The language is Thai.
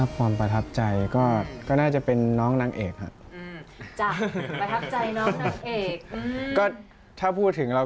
ก็สุดท้ายก็เป็นเพื่อนไปฟังมา